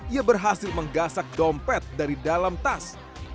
ia berhasil menggasak dompet dari dalam tas